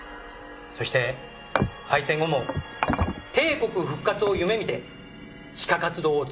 そして敗戦後も帝国復活を夢見て地下活動を続けてきたんだ！